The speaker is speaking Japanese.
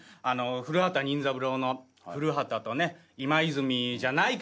『古畑任三郎』の古畑とね今泉じゃないけどさ。